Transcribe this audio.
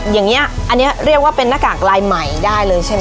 อย่างนี้อันนี้เรียกว่าเป็นหน้ากากลายใหม่ได้เลยใช่ไหม